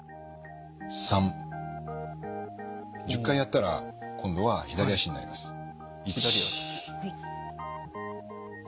１０回やったら今度は左脚になります。